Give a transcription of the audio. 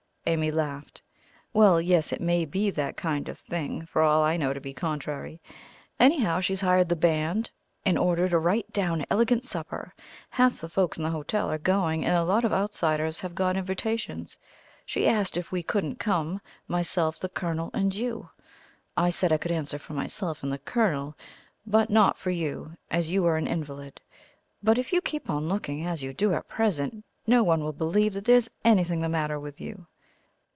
Amy laughed. "Well, yes, it MAY be that kind of thing, for all I know to the contrary. Anyhow, she's hired the band and ordered a right down elegant supper. Half the folks in the hotel are going, and a lot of outsiders have got invitations. She asked if we couldn't come myself, the Colonel, and you. I said I could answer for myself and the Colonel, but not for you, as you were an invalid. But if you keep on looking as you do at present, no one will believe that there's anything the matter with you.